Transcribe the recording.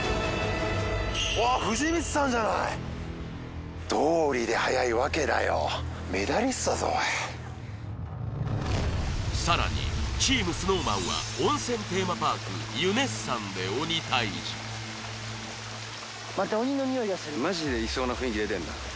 うわっ藤光さんじゃないどうりで速いわけだよメダリストだぞさらにチームＳｎｏｗＭａｎは温泉テーマパークユネッサンで鬼タイジまた鬼のにおいがするマジでいそうな雰囲気出てんな